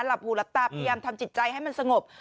หลับหูหลับตาพยายามทำจิตใจให้มันสงบ